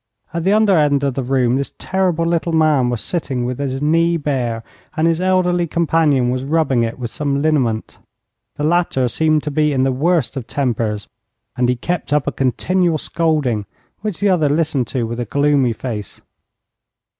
At the other end of the room this terrible little man was sitting with his knee bare, and his elderly companion was rubbing it with some liniment. The latter seemed to be in the worst of tempers, and he kept up a continual scolding, which the other listened to with a gloomy face.